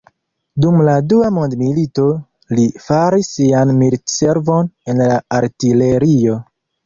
Dum la dua mondmilito, li faris sian militservon en la artilerio.